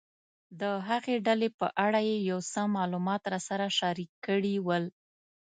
د هغې ډلې په اړه یې یو څه معلومات راسره شریک کړي ول.